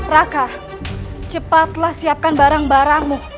raka cepatlah siapkan barang barangmu